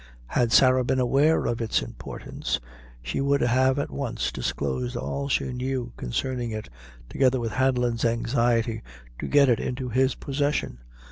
Had Sarah been aware of its importance, she would have at once disclosed all she knew concerning it, together with Hanlon's anxiety to get it into his possession.